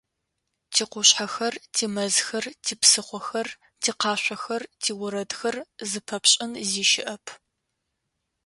Тикъушъхьэхэр, тимэзхэр, типсыхъохэр, тикъашъохэр, тиорэдхэр - зыпэпшӏын зи щыӏэп.